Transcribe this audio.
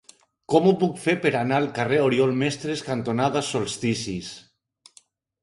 Com ho puc fer per anar al carrer Oriol Mestres cantonada Solsticis?